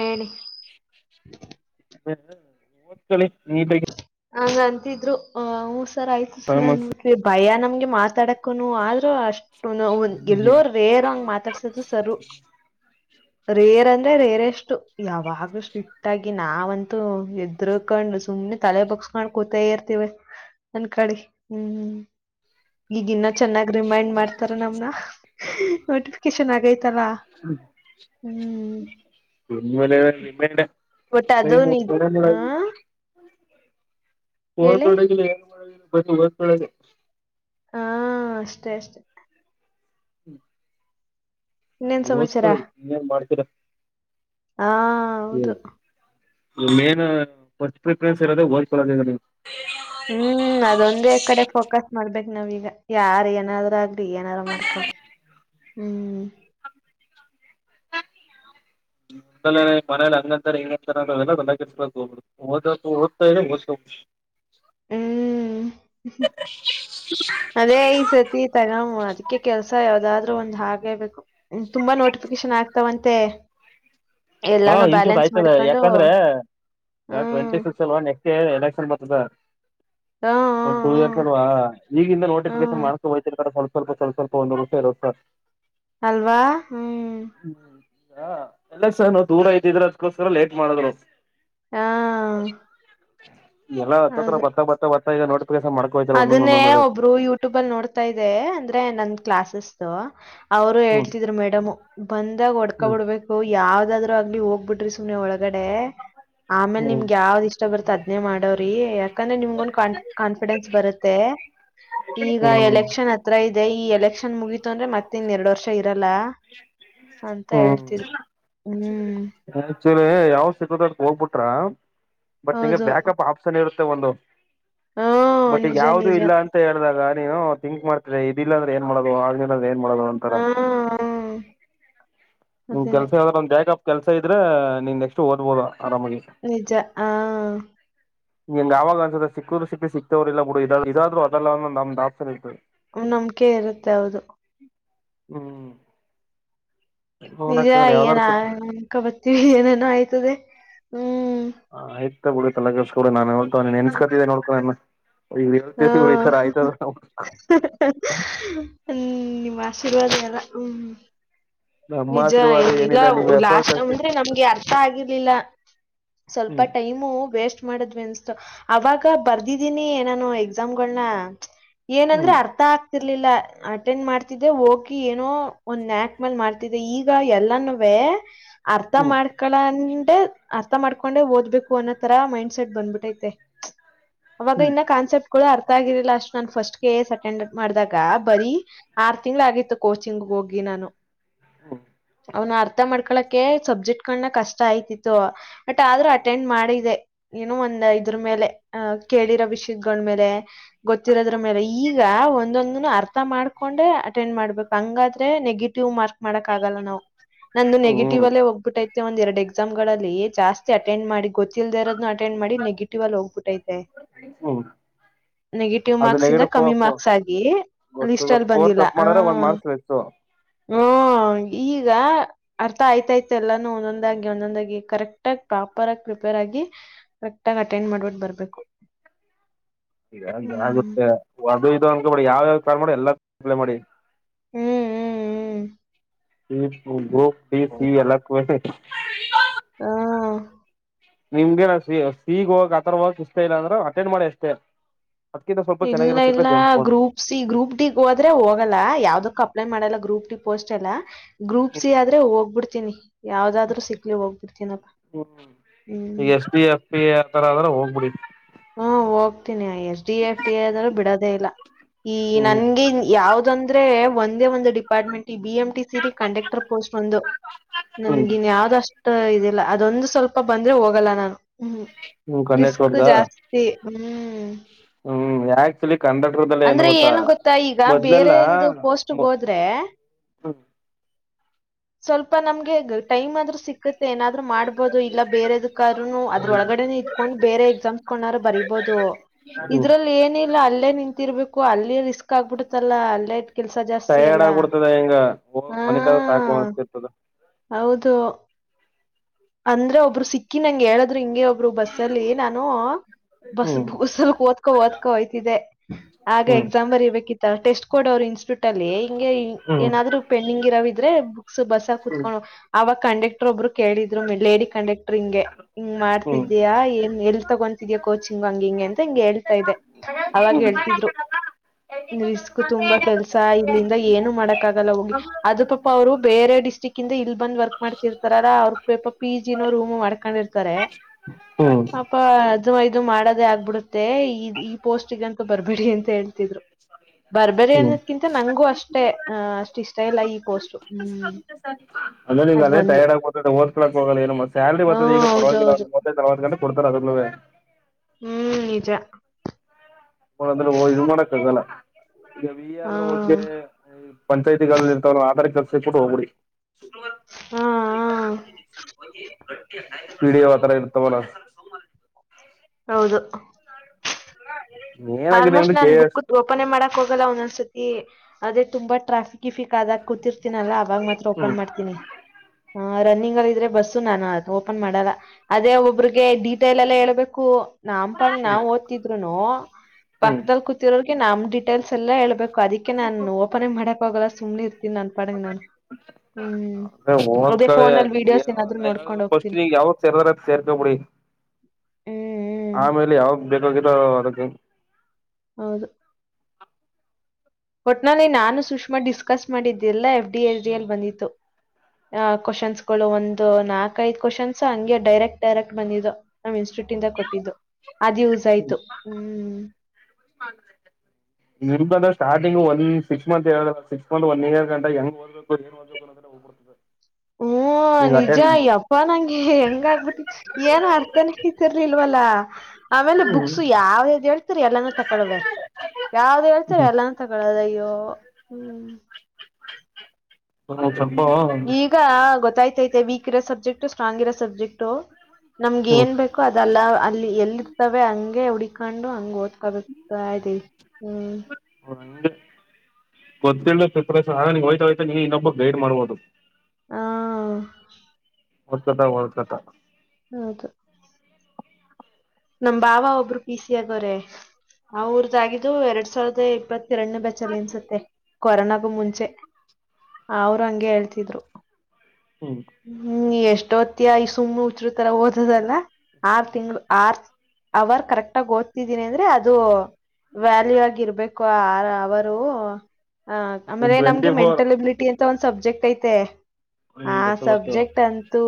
ಹೇಳಿ? [unintelligible] ಕುತ್ಕೋಳಿ ನೀಟಾಗಿ. [unintelligible] ಹಂಗ ಅಂತಿದ್ರು ಅ ಹು ಸರ್ ಆಯ್ತು ಸರ್ ಫೇಮಸ್ ನೋಡಿದರ ಭಯ ನಮ್ಗೆ ಮಾತಾಡಕ್ಕನು ಆಲ್ [unintelligible] ಲೊ ಅಷ್ಟ ನಾವು ಎಲ್ಲೋ ರೇರ್ ಹಂಗ್ ಮಾತಾಡ್ಸಿದ್ ಸರು. [unintelligible] ರೇರ್ ಅಂದ್ರೆ ರೇರ್ ಎಷ್ಟು ಯಾವಾಗ ಸ್ಟ್ರಿಟ್ ಆಗಿ ನಾವಂತೂ ಹೆದರಕೊಂಡ [unintelligible] ಸುಮ್ನೆ ತಲೆ ಬಗ್ಸ್ಕೊಂಡ್ ಕೂತ ಇರ್ತಿವ ಅನ್ಕಳಿ ಹು ಹು [unintelligible] ಈಗಿನ್ನ ಚೆನ್ನಾಗ್ ರಿಮೈಂಡ್ ಮಾಡ್ತಾರ ನಮ್ನ ನೋಟಿಫಿಕೇಶನ್ ಆಗೈತಲ್ಲಾ? [unintelligible] ಹೂ [unintelligible] ಮನೆ ಅವರ ರಿಮೈಂಡ್ ಟೈಮು ನಿ ಸೇರಂಗಿಲ್ ಹ ಇವು [unintelligible] ಫೋನ್ ಹೇಳಿ ತುಡುಗ್ಲೇ ಬಂದ್ಲು ಬಸ್ ಒಳಗ [unintelligible] ಆ ಅಷ್ಟೇ ಅಷ್ಟೇ? [unintelligible] ಹು [unintelligible] ಇನ್ನೇನ್ ಸಮಾಚಾರ ಓದ್ಕಳಿ ಇನ್ನೇನ್ ಮಾಡ್ತೀರಾ? [unintelligible] ಆ ಹೌದು? [unintelligible] ಮೇನ್ ಫಸ್ಟ್ ಪ್ರಿಫರೆನ್ಸ್ ಇರೋದ ಓದಕೋದ ಇದರಲ್ಲಿ. [unintelligible] ಹೂ ಅದೊಂದೇ ಕಡೆ ಫೋಕಸ್ ಮಾಡ್ಬೇಕ. [unintelligible] ನಾವೀಗ ಯಾರ್ ಏನಾದರೂ ಆಗಲಿ ಏನಾರೂ ಮಾಡ್ಕೊಳ್ಳಿ. [unintelligible] ಹೂ [unintelligible] ಹು [unintelligible] ಹೋದಲ್ಲೆ ಮನೇಲಿ ಹಂಗ ಅಂತಾರೆ ಹಿಂಗ ಅಂತಾರೆ ಅದೆಲ್ಲಾ ಮನೇಲ್ ಬೆಚ್ಚಬೇಕು ಓದೋದು ಓದ್ತಾ ಇದರೆ ಓದ್ಕೋಬೇಕು. [unintelligible] ಹೂ [unintelligible] ಅದೇ ಈ ಸತಿ ತೋಗಮಾ ಅದಕ್ಕೆ ಕೆಲಸಾ ಯಾವದಾದ್ರು ಒಂದ್ ಹಾಗೇಬೇಕು. [unintelligible] ತುಂಬಾ ನೋಟಿಫಿಕೇಶನ್ ಆಗ್ತಾವಂತೆ? [unintelligible] ಹಾ ಎಲ್ಲಾನು ಈಗ ಬ್ಯಾಲೆನ್ಸ್ ಬಾಯತ್ತವೆ ಮಾಡ್ಕೊಂಡು ಯಾಕಂದ್ರೆ ಟ್ವೆಂಟಿ ಹ್ಮ್ ಸಿಕ್ಸ್ ನೇ [unintelligible] ಮುಂದೆ ಎಲೆಕ್ಷನ್ ಬರತದ? [unintelligible] ಹ್ಮ್ ಒಂದ್ ಹ್ಮ್ ಟೂಎ ಹ್ಮ್ ಕೊಡುವಾ ಈಗಿಂದ ನೋಟಿಫಿಕೇಶನ್ ಹ್ಮ್ ಮಾಡ್ಕೊಂಡೆ ಹೋಯತೀರತಾರ ಸ್ವಲ್ಪ [unintelligible] ಸ್ವಲ್ಪ ಸ್ವಲ್ಪ ಓದುದಕ್ಕೆ ರೊಕ್ಕ [unintelligible] ಅಲ್ವಾ ಹೂ [unintelligible] ಈಗ ಎಲೆಕ್ಷನ್ ದೂರ ಇದ್ದಿದ್ರ ಅದ್ಕೋಸ್ಕರ ಲೇಟ್ ಮಾಡಿದ್ರು. [unintelligible] ಹಾ [unintelligible] ಎಲ್ಲ ಹತ್ತತ್ರ ಹೌದು ಬತ್ತ ಬತ್ತ ಬತ್ತಾ ಬರ್ತಾ ಇದೆ ನೋಡಿ. [unintelligible] ಅದನ್ನೇ ಒಬ್ರು ಯೂಟ್ಯೂಬ ಅಲ್ಲಿ ನೋಡ್ತಾ ಇದೇ ಅಂದ್ರೆ ನನ್ ಕ್ಲಾಸಸ್ ದು [unintelligible] ಅವರು ಹ್ಮ್ ಹೇಳ್ತಿದ್ರು ಮೇಡಂ ಬಂದಾಗ ಹೊಡ್ಕೊ ಹ್ಮ್ ಬಿಡ್ಬೇಕು ಯಾವ [unintelligible] ಯಾವಾದ್ರರು ಆಗ್ಲಿ ಹೋಗ್ಬಿಟ್ರಿ ಸುಮ್ಮನೆ ಒಳಗಡೆ ಆಮೇಲೆ ಹ್ಮ್ ನಿಮ್ಗೆ ಯಾವ್ದ್ ಇಷ್ಟ ಬರ್ತ ಅದ [unintelligible] ಅದನೇ ಮಾಡವ್ರಿ ಯಾಕಂದ್ರೆ ನಿಮ್ಗ ಕ ಕಾನ್ಫಿಡೆನ್ಸ್ [unintelligible] ಕಾನ್ಫಿಡೆನ್ಸ್ ಬರುತ್ತೆ ಈಗ ಹ್ಮ್ ಎಲೆಕ್ಷನ್ ಹತ್ರ [unintelligible] ಇದೆ ಈ ಎಲೆಕ್ಷನ್ ಮುಗಿತ ಅಂದ್ರೆ ಮತ್ತೆ ಇನ್ ಎರಡ್ ವರ್ಷ ಇರ [unintelligible] ಹೂ ಹೇಳ್ತಿದ್ರು [unintelligible] ಹ್ಮ್ ಆಯ್ತ ತೊಗರಿ ಯಾವ ಸಿಗದ ಅದಕ ಹೋಗ್ಬಿಟ್ರ [unintelligible] ಬಟ್ ನಿಂಗ ಹೌದು ಬ್ಯಾಕಪ್ ಆಫ್ಷನ್ ಇರುತ್ತೆ ಒಂದು [unintelligible] ಹ್ಮ್ ಬಟ್ ಈಗ ನಿಜ ಯಾವ್ದ ನಿಜ ಇಲ್ಲ ಅಂತ ಹೇಳ್ದಾಗ ನೀನು ತಿಂಕ್ ಮಾಡ್ತರ ಇದಿಲ್ಲಾಂದ್ರೆ ಏನ್ ಮಾಡೋದು ಆಗ್ಲಿಲ್ಲ ಅಂದ್ರೆ ಏನ್ ಮಾಡೋದು ಅಂತಾರ ಹಾ ನಿಮ ಅದೇನೆ ಕೆಲ್ಸ ಯ್ರ ಒಂದ ಬ್ಯಾಕಪ್ ಕೆಲ್ಸ ಇದ್ರೆ ನೀನ್ ನೆಕ್ಸ್ಟ್ ಓದ್ಬೋದು ಆರಾಮಾಗಿ ನಿಜ ಹ ಹೆಂಗ್ ಯಾವಾಗ ಅನ್ಸದ ಸಿಕ್ಕಿದರು ಸಿಕ್ಕಲಿ ಸಿಕ್ತವ್ರ ಇಲ್ಲ ಬಿುಡು ಇದ್ರರು ಅಲ್ಲ ನಮ್ದ ಆಪ್ಷನ್ ಇರುತ್ತೆ ನಂಬಿಕೆ ಇರುತ್ತೆ ಹೌದು ಹ್ಮ್ ನಿಜ ನೋಡಕಲ್ಲ ಯಾವ್ದಾರು ಏನ ಸಿ ಕ ಬತ್ತೀವಿ ಏನನ ಆಯ್ತದೆ ಹ್ಮ್ ಎ ತಲೆ ಕೆಡಿಸ್ಕೋಬೇಡ ನಾ ಅವತ್ತು ನೆನೆಸ್ಕೋತಿದ್ದೆ ನೋಡ್ಕೊಳ್ಳೋಣ ಹಾ [inaudible] ಹ್ಮ ನಿಮ್ಮ್ ಆಶೀರ್ವಾದ ಎಲ್ಲ ಹ್ಮ್ ನಮ್ಮ ನಿಜ ಆಶೀರ್ವಾದ ಏನಲ್ಲ ಏನಿಲ್ಲ ನೀವ್ ಎಫರ್ಟ್ ಲಾಸ್ಟ್ ಅಷ್ಟೇ ಅಂದ್ರೆ ನಮ್ಗೆ ಅರ್ಥ ಆಗಿರ್ಲಿಲ್ಲ ಸ್ವಲ್ಪ ಹ್ಮ್ ಟೈಮು ವೇಸ್ಟ್ ಮಾಡದ್ವಿ ಅನ್ಸ್ತು ಅವಾಗ ಬರ್ದಿದೀನಿ ನಾನು ಎಕ್ಸಾಮ್ಗಳನ ಏನಂದ್ರೆ ಹ್ಮ್ ಅರ್ಥ ಆಗ್ತಿಲ್ಲ ಇಲ್ಲ ಅಟೆಂಡ್ ಮಾಡ್ತಿದ್ದೆ ಹೋಗಿ ಏನೋ ಒಂದ್ ನ್ಯಾಕ್ ಮೇಲ್ ಮಾಡ್ತಿದ್ದೆ ಈಗ ಎಲ್ಲಾನ ವ ಅರ್ಥ ಹ್ಮ್ ಮಾಡ್ಕೊಳ ಅರ್ಥ ಮಾಡ್ಕೊಂಡೆ ಓದ್ಬೇಕು ಅನ್ನೋ ತರ ಮೈಂಡ್ಸೆಟ್ ಬಂದ್ಬಿಟ್ಟೈತೆ ಅವಾಗ ಹ್ಮ್ ಇನ್ನ ಕಾನ್ಸೆಪ್ಟ್ ಗಳು ಅರ್ಥ ಆಗರಿಲ್ಲ ಅ ನ ಫಸ್ಟ್ ಕೆ ಎಸ್ ಅಟೆಂಡ್ ಮಾಡಿದಾಗ ಬರೀ ಆರ್ ತಿಂಗ್ಗಳ ಆಗಿತ್ತು ಕೋಚಿಂಗ್ ಹೋಗಿ ಹೋಗಿ ನಾನು ಹ್ಮ ಅವ್ನು ಅರ್ಥ ಮಾಡ್ಕೊಳಕೆ ಸಬ್ಜೆಕ್ಟ್ ಕನ ಕಷ್ಟ ಆಯ್ತಿತ್ತು ಬಟ್ ಆದ್ರೂ ಅಟೆಂಡ್ ಮಾಡಿದೆ ಏನು ಒಂದ ಇದ್ರ ಮೇಲೆ ಅಹ ಕೇಳಿರೋ ವಿಷಯಗಳ ಮೇಲೆ ಗೊತ್ತಿರೋದ್ರ ಮೇಲೆ ಈಗ ಒಂದೊಂದ ಅರ್ಥ ಮಾಡ್ಕೊಂಡೆ ಅಟೆಂಡ್ ಮಾಡ್ಬೇಕು ಹಂಗಾದ ನೆಗೆಟಿವ್ ಮಾರ್ಕ್ ಮಾಡಕಕ್ ಆಲ್ಲ ನಾವು ನಂದು ಹ್ಮ್ ನೆಗೆಟಿವ್ ಹ್ಮ್ ಅಲ್ಲೇ ಹೋಗ್ಬಿಟ್ಟೈ ಒಂದ ಎರಡು ಎಕ್ಸಾಮ್ ಗಳಲ್ಲಿ ಜಾಸ್ತಿ ಅಟೆಂಡ್ ಮಾಡಿ ಗೊತ್ತ ಗೊತ್ತಿಲ್ದೆ ಇರೋದನ ಅಟೆಂಡ್ ಮಾಡಿ ನೆಗೆಟಿವ್ ಅಲ್ಲಿ ಹೋಗ್ಬಿಟ್ಟೈತೆ ಹ್ಮ್ ನೆಗೆಟಿವ್ ಅದು ಮಾರ್ಕ್ಸ್ ಇಂದ ನೆಗಡಿ ಪೋ ಕಮ್ಮಿ ಮಾರ್ಕ್ಸ್ ಆಗಿ ಗೊತ್ತು ಗೊತ್ತು ಲಿಸ್ಟಲ್ಲಿ ಫೋರ್ ಬಂದಿಲ್ಲ ತಪ್ಪ ಹ ಮಾಡಿದ್ರೆ ಒಂದ್ ಮಾರ್ಕ್ಸ್ ಲೆಸ್ಸು ಹ್ಮ ಈಗ ಅರ್ಥ ಆಯ್ತಾಯ್ತು ಎಲ್ಲಾನು ಒಂದೊಂದಾಗಿ ಒಂದೊಂದಾಗಿ ಕರೆಕ್ಟ ಆಗಿ ಪ್ರಾಪರ್ ಆಗಿ ಪ್ರಿಪೇರ್ ಆಗಿ ಕರೆಕ್ಟ್ ಅಟೆಂಡ್ ಮಾಡ್ಬಟ್ಟು ಬರ್ಬೇಕು ಹ [inaudible] ಹ್ಮ್ ಹಂಗಾಗುತ್ತೆ ಈಗ ಅದ ಇದ ಅನ್ಕೋಬೇಡಿ ಯಾವ ಯಾವ ಕಾಲ್ ಮಾಡಿ ಎಲ್ಲ ಕಪ್ಲೈ ಮಾಡಿ ಹ್ಮ್ ಹ್ಮ್ ಹ್ಮ್ ಈ ಸಿ ಅಲ್ಲಗ [inaudible] ಹಾ ನಿಮ್ಗೆ ನ ಸೀಗ್ ಹೋಗಕ್ ಆತರ ಹೋಗಕ್ ಇಷ್ಟ ಇಲ್ಲ ಅಂದ್ರೆ ಅಟೆಂಡ್ ಮಾಡಿ ಅಷ್ಟೇ ಅದ್ಕಿಂತ ಸ್ವಲ್ಪ ಇಲ್ಲ ಚೆನ್ನಾಗಿರೋ ಸಿಕ್ಕ್ರೆ ಇಲ್ಲ ಜಂಪ್ಕೊಂಡು ಗ್ರೂಪ್ ಸಿ ಗ್ರೂಪ್ ಡಿಗ್ ಹೋದ್ರೆ ಹೋಗಲ್ಲ ಯಾವ್ದಕ್ ಅಪ್ಲೈ ಮಾಡಲ್ಲ ಗ್ರೂಪ್ ಡಿ ಪೋಸ್ಟ್ ಎಲ್ಲ ಗ್ರೂಪ್ ಸಿ ಆದ್ರೆ ಹೋಗ್ಬಿಡ್ತೀನಿ ಯಾವದಾದ್ರರು ಸಿಕ್ಲಿ ಹೋಗ್ಬಿಡ್ತೀನಪ್ಪ ಈಗ ಎಸ್ ಪಿ ಎಫ್ ಪಿ ಆ ತರ ಆದದ್ರ ಹೋಗ್ಬಿಡಿ ಹ್ಮ ಹೋಗ್ತನಿ ಎಸ್ ಡಿ ಎಫ್ ಡಿ ಆದ್ರೂ ಬಿಡೋದೇ ಇಲ್ಲ ಈ ಹ್ಮ್ ನನ್ಗೆ ಯಾವ್ದಂದ್ರೆ ಒಂದೇ ಒಂದ್ department B M T C conductor post ಒಂದು ಹ್ಮ್ ನನ್ಗಿನ್ ಯಾವ್ದಷ್ಟ ಇದಿಲ್ಲ ಅದೊಂದು ಸ್ವಲ್ಪ ಬಂದ್ರೆ ಹೋಗಲ್ಲ ನಾನು ಹ್ಮ ಹ್ಮ್ ರಿಸ್ಕ್ ಕಂಡಕ್ಟರ್ದ ಜಾಸ್ತಿ ಹ್ಮ್ ಹ್ಮ್ ಯಾಲಿ ಕನ್ನಟದಲ್ಲ ಏನು ಅಂದ್ರೆ ಗೊತ್ತಾ ಈಗ ಮೊದ್ಲೆಲ್ಲ ಬೇರೆದು ಪೋಸ್ಟ್‌ಗ್ ಹ ಹೋದ್ರೆ ಸ್ವಲ್ಪ ನಮ್ಗೆ ಟೈಮ್ ಆದ್ರೂ ಸಿಕ್ ಏನಾದ್ರು ಮಾಡ್ಬಹುದು ಇಲ್ಲ ಬೇರೆದಕ್ಕ್ರನು ಅದ್ರೊಳಗಡೆನೆ ಇತ್ಕೊಂಡು ಬೇರೆ ಎಕ್ಸಾಮ್ಸ್ ಕೊಂಡಾರರು ಬರಿಬಹುದು ಹ್ಮ್ ಇದ್ರಲ್ಲಿ ಏನ ಇಲ್ಲ ಅಲ್ಲೇ ನಿಂತಿರ್ಬೇಕು ಅಲ್ಲೇ ರಿಸ್ಕ್ ಆಗ್ಬಿಡತ್ತಲ್ಲ ಅಲ್ಲೇ ಕೆಲ್ಸ ಜಾಸ್ತಿ ಟಯರ್ಡ್ ಅಲ್ಲ ಆಗ್ಬಿಡ್ತದ ಹೆಂಗ ಹೋಗ್ ಮನಿಕದ ಸಾಕು ಹ್ಮ್ ಅನ್ಸ್ತಿರ್ತದ ಹೌದು ಅಂದ್ರೆ ಒ ಒಬ್ರು ಸಿಕ್ಕಿ ನಂಗಗೆ ಹೇಳದ್ರು ಹಿಂಗೆ ಒಬ್ರು ಬಸ್ಸಲ್ಲಿ ನಾನು ಬಸ್ ಹ್ಮ್ ಬಸಲ್ ಓದ್ಕೋ ಓದ್ಕೋ ಯ್ತಿದೆ ಆಗ ಹ್ಮ್ ಎಕ್ಸಾಮ್ ಬರಿಬೇಕಿತ್ತ ಟೆಸ್ಟ್ ಕೊಡ ಅವ್ರ ಇನ್ಸರೀಟ್ಯೂಟ್ ಅಲ್ಲಿ ಹಿಗೆ ಹ್ಮ್ ಏನಾದ್ ಹ್ಮ್ ಪೆಂಡಿಂಗ್ ಇರೋ ಬುಕ್ಸ್ ಬಸ್ ಕುತ್ಕೊಂಡು ಅವಾಗ ಕಂಡಕ್ಟರ್ ಒಬ್ಬರು ಕೇಳಿದ್ರು ಲೇಡಿ ಕಂಡಕ್ಟರ್ ಹಿಂ ಹಿಂಗ್ ಹ್ಮ್ ಮಾಡ್ತಿದಯಾ ಏನ್ ಎಲ್ ತಗೊತಿದಯಾ ಕೋಚಿಂಗ್ ಹಂಗ ಹಿಂ ಅಂತ ಹಿಂಗ ಹ ಇದೆ ಅವಾಗ ಹೇಳ್ತಿದ್ರು ರಿಸ್ಕ್ ತುಂಬಾ ಕೆಲ್ಸ ಇಲ್ಲಿಂದ ಏನು ಮಾಡಕ್ ಆಗಲ್ಲ ಹೋಗಿ ಅದ ಪಾಪಾ ಅವ್ರು ಬೇರೆ ಡಿಸ್ಟ್ರಿಕ್ ಇಂದ ಇಲ್ ಬಂದ್ ವರ್ಕ್ ಮಾಡ್ತಿರ್ತಾರಾರ ಅವ್ರ ಪಪ ಪಿ ಜಿನೋ ರೂಮ್ ಮಾಡ್ಕೊಂಡಿರ್ತಾರೆ ಹ್ಮ್ ಅಪ ಅದು ಇದು ಮಾಡದೇ ಆಗ್ಬಿಡುತ್ತೆ ಈ ಈ ಪೋಸ್ಟ ಗಂತ ಬರ್ಬೇಡಿ ಅಂತ ಹೇಳ್ತಿದ್ರು ಬರ್ಬರಿ ಹ್ಮ್ ಅನ್ನೋದ್ಕಿಂತ ನಂಗಂಗೂ ಅಷ್ಟೇ ಅ ಅಷ್ಟ್ ಇಷ್ಟ ಇಲ್ಲ ಈ ಪೋಸ್ಟ್ ಹ್ಮ್ ಅಂದ್ರಗೆ ಅದ್ ಅ ಒಂದು ಟೈರ್ಡ್ ಆಗ್ಬಸ್ಏ ಸಲ್ರಿರ್ತ್ತದ ಹ್ಮ್ ಈಗ ಹೌದೌದು ಪರವಾಗಿಲ್ಲ ಕೊಡ್ತರ ಅದಲ್ಲವೇ ಹ್ಮ್ ನಿಜ ಮದ್ರ ಮಾಡಕ್ಕ ಆಗಲ್ಲ ಈಗ ವಿ ಹಾ ಆದ್ರೂ ಹದಗೆ ಪಂಚಾಯಿತಿಗಳಲ್ಲಿ ಇರ್ತವ್ರ ಆಧಾರ್ ಕೆಲಸ ಕೂ ಹೋಗ್ಬಿ ಶುಕ್ರವ ಹಾ ಹಾ ಜಡಿ ಆ [unintelligible] ಪೀಡಿವತರ ಇರ್ತರ ವಲ್ಲ ಹೌದು ಏನಾಗಿದೆ ಆಲ್ಮೋಸ್ಟ್ ಅಂದ್ರೆ ಕೆ ನಾನ್ ಎಸ್ ಬುಕ್ ಓಪನೇ ಮಾಡಕ್ ಹೋಗಲ್ಲ ಒಂದೊಂದ್ಸತಿ ಅದೇ ತುಂಬಾ ಟ್ರಾಫಿಕ್ ಇಫಿಕ್ ಕಾದಾಗ ಕೂತಿರ್ತೀನಲ್ಲಾ ಆಗ ಮಾತ್ರ ಹ್ಮ್ ಓಪನ್ ಮಾಡ್ತೀನಿ ಹ ರನ್ನಿಂಗ್ ಅಲ್ಲಿ ಇದ್ರೆ ಬಸ್ಸು ನಾನು ಅ ಓಪನ್ ಮಾಡಲ್ಲ ಅದೇ ಒಬ್ರಿಗೆ ಡೀಟೇಲ್ ಎಲ್ಲ ಹೇಳ್ಬೇಕು ನಾಮ್ ಪಣ ನಾವ್ ಓದ್ರರೀದ್ರುನು ಹ್ಮ್ ಪಕ್ಕದಲ್ ಕೂತಿರೋರ್ಗೆ ನಮ್ ಡೀಟೇಲ್ಸ್ ಎಲ್ಲಾ ಹೇಳ್ಬೇಕು ಅದಿಕ್ಕೆ ನಾನನ್ ಓಪನ್ರರೇಮಾಡಕ್ ಹೋಗಲ್ಲ ಸುಮ್ನೆ ಇರ್ತೀನಿ ನನ್ಪಾಡಂಗ ನಾನನ್ ಹ್ಮ್ ಅ ಒಂದ್ ಅದೇ ಕಳ ಫೋನಲ್ಲಿ ವಿಡಿಯೋಸ್ ಏನಾದ್ರು ನೋಡ್ಕೊಂಡ್ ಫಸ್ಟ್ ಹೋಗ್ತೀನಿ ನೀ ಯಾವಾಗ ಸೇರ್ದಾರ ಸೇರ್ಕ್ಬ ಬಿಡಿ ಹ್ಮ್ ಹ್ಮ್ ಆಮೇಲೆ ಯಾವಾಗ ಬೇಕಾಗಿರೋ ಅದಕ್ಕೆ ಹೌದು ಒಟ್ನಲ್ಲಿ ನಾನು ಸುಷ್ಮಾ ಡಿಸ್ಕಸ್ ಮಾಡಿದ್ದೆಲ್ಲ ಎಫ್ಡಿಎಸ್ಡಿಎಲ್ ಬಂದಿತ್ತು ಆ ಕ್ವನ್ಸ್ ಗಳು ಒಂದು ನಾಕ ಐದು ಕ್ವನ್ಸ್ ಹಂ ಡೈರೆಕ್ಟ್ ಡೈರೆಕ್ಟ್ ಬಂದಿದ್ದು ಕೊಟ್ಟ ಇದು ಅದು ಯೂಸ್ ಹ್ಮ್ ಆಯ್ತು ಹ್ಮ್ ನಿಮ್ದಂದ್ರೆ ಸ್ಟಾರ್ಟಿಂಗ್ ಒಂದ ಸಿಕ್ಸ್ ಮಂತ್ ಹೇಳ ಸಿಕ್ಸ್ ಮತ್ ಒನ್ ಏರ್ ಗಂಟ ಹೆಂಗ್ಓದಬೇಕು ಏನ್ದ್ಬೇಕ ಅ್ರ ಹೋಗ್ಬಿಡ್ತದೆ ಹ್ಮ ನೀಗ ನಿಜ ಅಟೆಂಡ್ ಯಪ್ಪ ನಂಗೆ ಹೆಂಗ ಆಗ್ಬಿಟ್ಟ ಏನ್ ಅರ್ಥನೇ ಹತಿರ್ ಇಲ್ವಲ್ಲ ಆಮೇಲೆ ಬುಕ್ಸ್ ಯಾವ್ದ್ದು ಹೇಳ್ತರಿ ಎಲ್ಲಾನೂ ತಕಳುವೆ ಯಾವ್ದು ಹೇಳ್ತಾರೆ ಹ್ಮ್ ಎಲ್ಲಾನ ತಗೊಳ್ಳದಯ್ಯೋ ಹ್ಮ್ ಸ್ವಲ್ಪ ಈಗ ಗೊತ್ತಾಯ್ತತೆ ವೀಕ್ ಇರೋ ಸಬ್ಜೆಕ್ಟ್ ಸ್ಟ್ರಾಂಗ್ ಇರೋ ಸಬ್ಜೆಕ್ಟು ನಮ್ಗೆ ಹ್ಮ್ ಏನ್ ಬೇಕೋ ಅದಲ್ಲ ಅಲ್ಲಿ ಎಲ್ಲಿ ಇರ್ತವೆ ಹಂಗೆ ಹುಡ್ಕೊಂಡು ಹಂಗ ಓದ್ತ ಅದತಾರಿ ಹ್ಮ್ ಗೊತ್ತ ಹಯ್ತಾ ಹ್ತಾ ನೀ ಇನ್ನೊಬ್ಬ ಗೈಡ್ ಮಾಡ್ಬಹದು ಹಾ ಓದತದ ದತತ ಹೌದು ನಮ್ ಬಾವ ಒಬ್ರು ಪಿ ಸಿ ಆಗವ್ರೆ ಆ ಊರದಾಗಿದ್ದು ಎರಡ್ ಸಾವಿರದ ಇಪ್ಪತ್ತು ತಿರಣ್ಣು ಬೆಚ್ಚಲ್ಲಿ ಎನ್ಸುತ್ತೆ ಕೊರೋನಾಗು ಮುಂಚೆ ಅವರು ಹಂಗಗೆ ಹೇಳ್ತಿದ್ರು ಹ್ಮ್ ಹ್ಮ್ ಎಷ್ಟೋತ್ತಿಯ ಈ ಸುಮ್ನೆ ಉಚ್ರು ತರ ಓದದಲ್ಲ ಆರ್ ತಿಂಗಗಳು ಆರ್ ಅವರ್ ಕರೆಕ್ಟ್ಗ ಓದ್ತಿದ್ದೀನಿ ಅಂದ್ರೆ ಅದು ವ್ಯಾಲ್ಯೂ ಆಗಿ ಇರ್ಬೇಕು ಆ ಆರ ಅವರು. ಹ ಇನ್ ಆಮೇಲೆ ಟ್ವೆಂಟಿ ನಮ್ಗೆ ಫೋರ್ ಮೆಂಟಲ್ ಎಬಿಲಿಟಿ ಅಂತ ಒಂದ್ ಸಬ್ಜೆಕ್ಟ್ ಐತೆ. ಹ್ಮ ಆ ಗೊತ್ತ ಗತ್ತ. ಸಬ್ಜೆಕ್ಟ್ ಅಂತು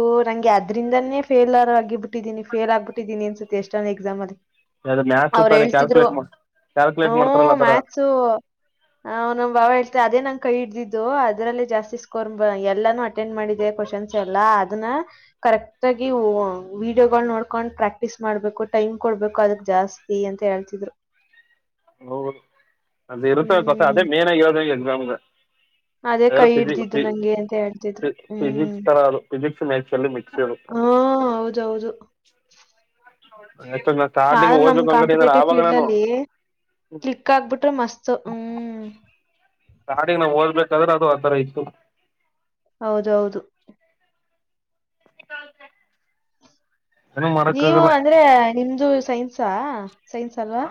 ಗ್ಯಾಥರಿಂಗ್ ಅನೆ ಫೇಲ್ರ್ ಆಗಿ ಬಿಟ್ಟಿದ್ದಿನಿ ಫೇಲ್ ಆಗಿಬಿಟ್ಟಿದ್ದೀನಿ ಅನ್ಸುತ್ತೆ ಎಷ್ಟನ ಎಕ್ಸಾಮ ಅಲ್ಲಿ. ಅದು ಮ್ಯಾಥ್ಸ್ ಅವರ ತಾನೆ ಹೇಳ್ತಿದ್ರು ಕ್ಯಾಲ್ಕುಲೇಟ್ ಮಾಡ ಹ ಕ್ಯಾಲ್ಕುಲೇಟ್ ಮಾಡ್ತಾರಲ್ಲ ಆತರ ಮ್ಯಾಥಸು. ಹು ನ. ಬಾವ ಹೇಳ್ತ ಅದೇ ನಂಗ ಕೈ ಹಡ್ದಿದ್ದು ಅದರಲ್ಲಿ ಜಾಸ್ತಿ ಸ್ಕೋರ್ ಎಲ್ಲಾನು ಅಟೆಂಡ್ ಮಾಡಿದೆ. [unintelligible] ಎಲ್ಲ ಅದನ್ನ ಕರೆಕ್ಟ್ ಆಗಿ ವಡಿಯೋ ನೋಡ್ಕೊಂಡ್ ಪ್ರಾಕ್ಟೀಸ್ ಮಾಡ್ಬೇಕು ಟೈಮ್. ಕೊಡ್ಬೇಕು ಅದಕ್ ಜಾಸ್ತಿ ಅಂತ ಹೇಳ್ತಿದ್ರು. ಹೌದು ಅದು ಇರುತ್ತವೆ ಗೊತ್ತ ಹ್ಮ್ ಅದೇ ಮೇನ್ಗ ಆಗಿ ಇರೋದು ಈ ಎಕ್ಸಾಮ್ ಗ. ಅದೇ ಅ ಕೈ ಫಜಿ ಹಿಡ್ದಿದ್ದು ಪೀ ನಂಗೆ ಅಂತ ಹೇಳ್ತಿದ್ರು ಫಿಸಿಕ್ಸ್ ಹ್ಮ್ ತರ ಅದು ಫಿಸಿಿಕ್ಸ್ ಮ್ಯಾಥಸ್ ಮಿಕ್ಸ್ ಅದು. ಹಾ ಹೌದೌದು. [inaudible] ಆಕ್ಚುಲಿ ನಾ ಹ ಸ್ಟಾರ್ಟಿಂಗ್ ನಮ್ಮ ಓದ್ಬೇಕು ಅನ್ಕೊಂಡಿದ್ದೆ ಕಾಂಪಿಟೇಟಿವ್ ಆವಾಗ ಫೀಲ್ಡ್ ನಾನು ಅಲ್ಲಿ ಕ್ಲಿಕ್ ಆಗ್ಬಿಟ್ರೆ ಮಸ್ತ್ ಹ್ಮ್. ಸ್ಟಾರ್ಟಿಂಗ್ ನಾವು ಓದ್ಬೇಕಾದ್ರೆ ಅದು ಆತರ ಇತ್ತು. ಹೌದೌದು. ಏನು ನೀವು ಮಾಡಕ್ಕಾಗಲ್ಲ ಅಂದ್ರೆ ನಿಮ್ದು ಸೈನ್ಸಾ ಸೈನ್ಸ್ ಅಲ್ವಾ.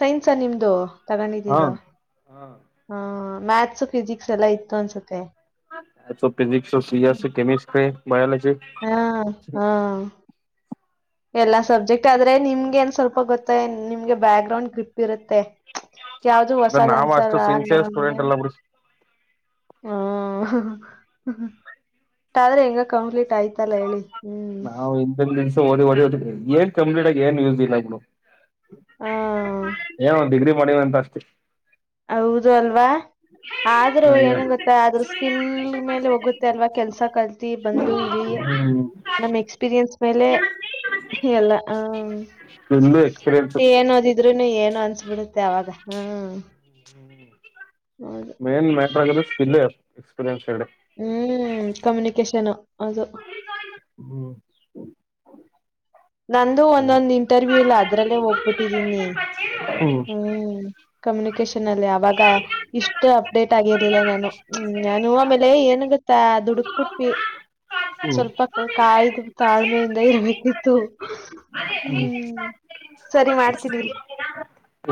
ಸೈನ್ಸ ನಿಮ್ದು ಹಾ ತಗೊಂಡಿದ್ದಿದ್ದ ಹ. ಮ್ಯಾಥಸ್ ಫಿಸಿಕ್ಸ್ ಎಲ್ಲ ಇತ್ತು ಅನ್ಸುತ್ತೆ. So physics C S chemistry biology. ಹಾ ಹಾ. ಎಲ್ಲಾ ಸಬ್ಜೆಕ್ಟ್ ಆದ್ರೆ ನಿಮ್ಗೆ ಏನ್ ಸ್ವಲ್ಪ ಗೊತ್ತ ನಿಮ್ಗೆ ಬ್ಯಾಕ್ ಗ್ರೌಂಡ್ ಗ್ರಿಪ್. ಇರುತೆ ಯಾವ್ದು ಅಂದ್ರೆ ಹೊಸದ್ ನಾವ್ ಅಷ್ಟು ಅನ್ಸಲ್ವಾ ಅಲ್ಲ ಸಿನ್ಸಿಯರ್ ಸ್ಟೂಡೆಂಟ್ ನಮ್ಗೆ. ಅಲ್ಲ ಬಿಡು ಹ. ಅಟ್ಟ ಆದ್ರೆ ಈಗ ಕಂಪ್ಲೀಟ್ ಆಯ್ತಲ್ಲ ಹೇಳಿ ಹ್ಮ್. ನಾವು ಹಿಂದಿನ ದಿವ್ಸ ಓದಿ ಓದಿ ಓದಿ ಏನ್ ಕಂಪ್ಲೀಟ್ ಆಗಿ ಏನು ಯೂಸ್ ಇಲ್ಲ ಬ್ರೋ ಹ್ಮ ಏನ ಒಂದ ಡಿಗ್ರಿ. ಮಾಡೆವ ಅಂತ ಅಷ್ಟೆ. ಹೌದು ಅಲ್ವಾ. ಆದ್ರೂ ಏನ ಗೊತ್ತಾ ಆದ್ರೂ ಸ್ಕಿಲ್ ಮೇಲೆ ಹೋಗುತ್ತೆ ಅಲ್ವಾ ಕೆಲ್ಸ ಕಲ್ತಿ ಬಂದು ಇಲ್ಲಿ. ಹ್ಮ್ ನಮ್ ಎಕ್ಸ್ಪೀರಿಯೆನ್ಸ್ ಮೇಲೆ ಎಲ್ಲಾ. ಸ್ಕಿಲ್ಲು ಎಕ್ಸ್ಪೀರಿಯನ್ಸ್ ಏನದಿದ್ರುನು ಏನು ಅನ್ಸ್ಬಿಡುತ್ತೆ ಅವಾಗ ಹ್ಮ. ಹ್ಮ್ಮ್ ಮೇನ್ ಮ್ಯಾಟರ್ ಆಗೋದು ಸ್ಕಿಲ್ ಎಕ್ಸ್ಪೀರಿಯನ್ಸ್ ಎರಡೇ. ಹ್ಮ್ ಕಮ್ಯುನಿಕೇಶನ್ ಅದು. ಹ್ಮ್ ನಂದು ಹ್ಮ್ ಒಂದೊಂದು ಇಂಟರ್ವ್ಯೂ ಇಲ್ಲ ಅದ್ರಲ್ಲೇ ಹೋಗ್ಬಿಟ್ಟಿದ್ದೀನಿ. ಹ್ಮ್ ಕಮ್ಯುನಿಕೇಶ. [unintelligible] ಅವಾಗ ಇಷ್ಟು ಅಪ್ಡೇಟ್ ಆಗಿರ್ಲಿಲ್ಲ ನಾನು ನಾನು ಆಮೇಲೆ ಏನ ಗುತ್ತಾ ದುಡ್. ದುಡ್ಡ ಕೊಟ್ವಿ. ಸ್ವಲ್ಪ ಕಾಯ್ದು ತಾಳ್ಮೆಯಿಂದ ಇರ್ಬೇಕಿತ್ತು. ಹ್ಮ್ ಹ್ಮ್ಮ್. ಸರಿ ಮಾಡ್ತೀನಿ ಇರಿ. ಹ್ಮ್